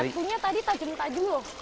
ini batunya tadi tajam taju loh